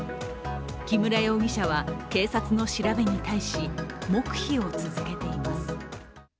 木村容疑者は警察の調べに対し黙秘を続けています。